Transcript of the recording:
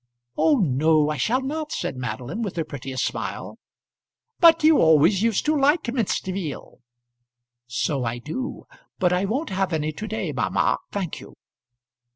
"Oh no, I shall not," said Madeline with her prettiest smile. "But you always used to like minced veal." "So I do, but I won't have any to day, mamma, thank you."